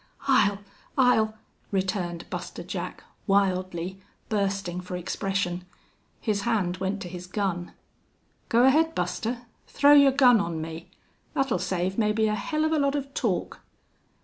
"I'll I'll " returned Buster Jack, wildly, bursting for expression. His hand went to his gun. "Go ahead, Buster. Throw your gun on me. That'll save maybe a hell of a lot of talk."